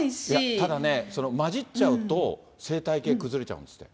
ただね、混じっちゃうと、生態系崩れちゃうんですって。